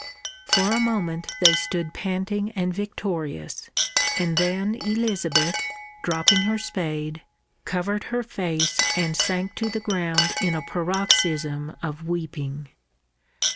For a moment they stood panting and victorious, and then Elizabeth, dropping her spade, covered her face, and sank to the ground in a paroxysm of weeping.